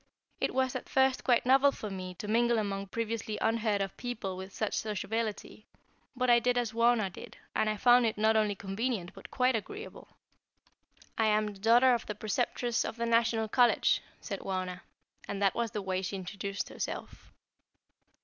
It was at first quite novel for me to mingle among previously unheard of people with such sociability, but I did as Wauna did, and I found it not only convenient but quite agreeable. "I am the daughter of the Preceptress of the National College," said Wauna; and that was the way she introduced herself.